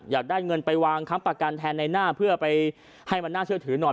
อยากได้เงินไปวางค้ำประกันแทนในหน้าเพื่อไปให้มันน่าเชื่อถือหน่อย